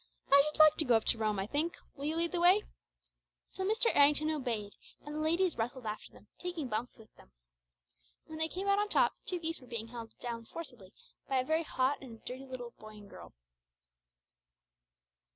I should like to go up to Rome, I think. Will you lead the way?" So Mr. Errington obeyed, and the ladies rustled after them, taking Bumps with them. When they came out on top, two geese were being held down forcibly by a very hot and dirty little boy and girl.